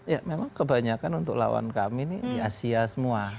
ya memang kebanyakan untuk lawan kami ini di asia semua